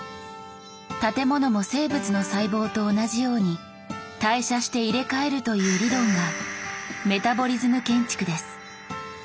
「建物も生物の細胞と同じように代謝して入れ替える」という理論がメタボリズム建築です。